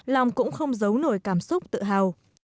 long cũng không giấu nổi cảm xúc tự hào